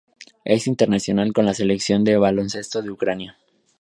Es internacional con la Selección de baloncesto de Ucrania.